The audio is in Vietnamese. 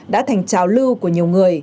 đã thành trào lưu của nhiều người